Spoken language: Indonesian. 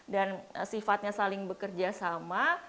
dan sifatnya saling bekerja sama